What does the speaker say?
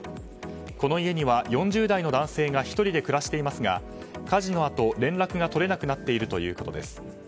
この家には４０代の男性が１人で暮らしていますが火事のあと連絡が取れなくなっているということです。